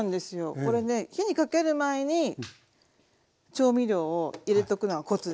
これね火にかける前に調味料を入れとくのがコツで。